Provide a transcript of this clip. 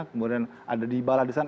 kemudian ada dybala di sana